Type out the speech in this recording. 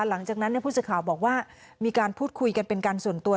หลังจากนั้นผู้สื่อข่าวบอกว่ามีการพูดคุยกันเป็นการส่วนตัว